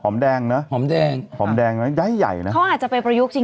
ไม่ต้องเอาเยอะมากนะค่ะ